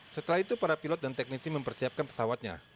setelah itu para pilot dan teknisi mempersiapkan pesawatnya